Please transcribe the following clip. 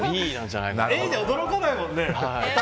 Ａじゃ驚かないもんね。